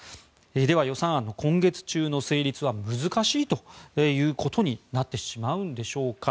では、予算案の今月中の成立は難しいということになってしまうんでしょうか。